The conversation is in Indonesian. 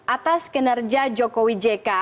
atas kinerja jokowi jk